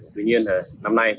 tuy nhiên là năm nay